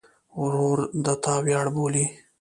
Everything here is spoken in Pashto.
ورور د تا ویاړ بولې.